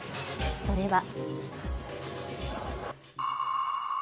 それは。